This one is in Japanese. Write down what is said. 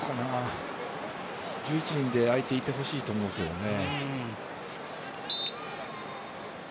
相手、１１人でいてほしいと思うけどね。